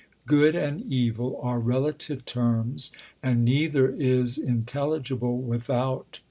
Good and evil are relative terms, and neither is intelligible without the other.